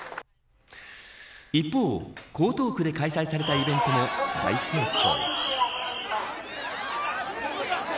一方、江東区で開催されたイベントで大盛況。